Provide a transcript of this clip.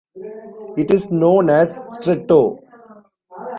It is known as stretto.